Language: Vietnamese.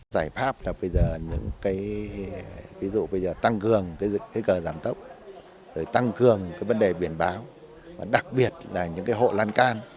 giải pháp là ví dụ tăng cường cờ giảm tốc tăng cường vấn đề biển báo đặc biệt là những hộ lan can